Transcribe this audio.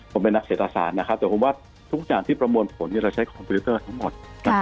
ผมเป็นนักเศรษฐศาสตร์นะครับแต่ผมว่าทุกอย่างที่ประมวลผลเราใช้คอมพิวเตอร์ทั้งหมด